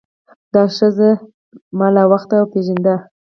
دا ښځه ما له هغه وخته پیژانده.